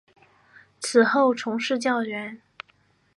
此后从事教员。